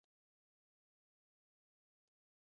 En otra transcripción, el nombre tribal.